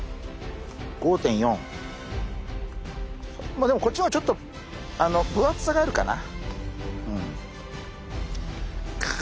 まあでもこっちの方がちょっと分厚さがあるかな。